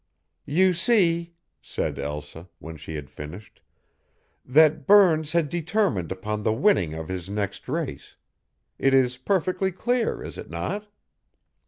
"You see," said Elsa, when she had finished, "that Burns had determined upon the winning of his next race. It is perfectly clear, is it not?"